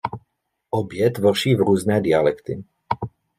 Obě tvoří v různé dialekty.